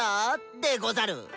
でござる。